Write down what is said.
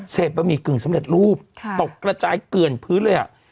บะหมี่กึ่งสำเร็จรูปตกกระจายเกลื่อนพื้นเลยอ่ะ